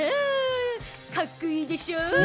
かっこいいでしょ？